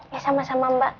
ya sama sama mbak